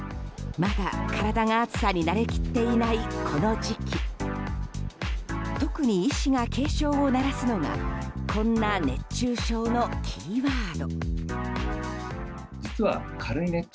まだ体が暑さに慣れきっていないこの時期特に医師が警鐘を鳴らすのがこんな熱中症のキーワード。